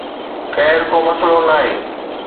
خير، ڪو مسئلو ناهي